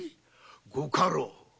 ご家老